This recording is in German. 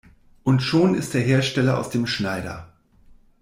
Und schon ist der Hersteller aus dem Schneider.